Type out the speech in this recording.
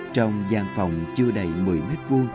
trong giang phòng chưa đầy một mươi m hai